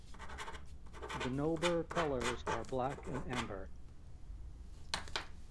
The Nobber colours are black and amber.